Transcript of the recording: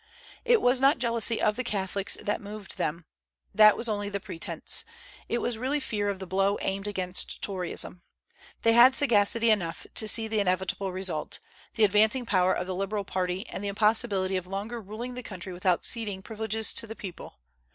It was not jealousy of the Catholics that moved them, that was only the pretence; it was really fear of the blow aimed against Toryism. They had sagacity enough to see the inevitable result, the advancing power of the Liberal party, and the impossibility of longer ruling the country without ceding privileges to the people.